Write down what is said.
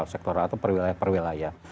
sifat sektoral atau perwilaya perwilaya